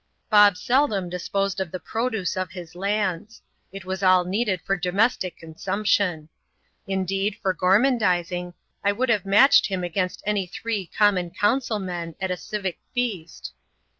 Bob seldom disposed of the produce of his lands ; it was all needed for domestic consumption. Indeed, for gormandising^ r would have matched him against any three common council men at a civic feast.